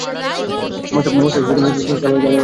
মনসা চালি প্রধানত লাল এবং কালো এই দুটি রঙের হয়ে থাকে।